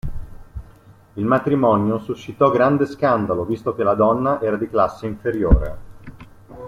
Il matrimonio suscitò grande scandalo visto che la donna era di classe inferiore.